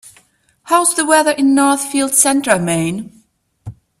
how's the weather in Northfield Center Maine